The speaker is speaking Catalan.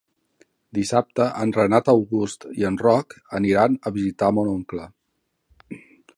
Dissabte en Renat August i en Roc aniran a visitar mon oncle.